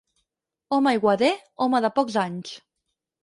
Home aiguader, home de pocs anys.